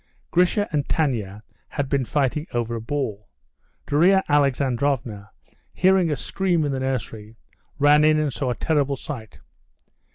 Grisha and Tanya had been fighting over a ball. Darya Alexandrovna, hearing a scream in the nursery, ran in and saw a terrible sight.